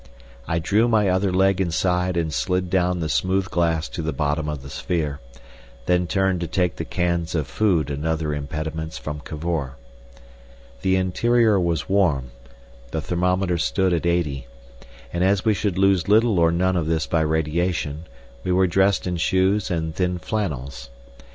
I drew my other leg inside and slid down the smooth glass to the bottom of the sphere, then turned to take the cans of food and other impedimenta from Cavor. The interior was warm, the thermometer stood at eighty, and as we should lose little or none of this by radiation, we were dressed in shoes and thin flannels.